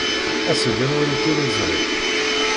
As-d ad nwali tiliẓri.